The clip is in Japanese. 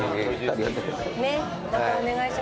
またお願いします。